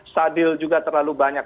sadil juga terlalu banyak